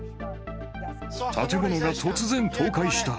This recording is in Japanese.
建物が突然倒壊した。